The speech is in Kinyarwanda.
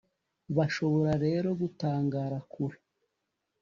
bashobora rero gutangara kure